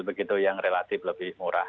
begitu yang relatif lebih murah